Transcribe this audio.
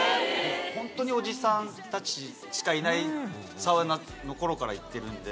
ホントにおじさんたちしかいないサウナの頃から行ってるんで。